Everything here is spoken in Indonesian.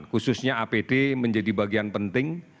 khususnya apd menjadi bagian penting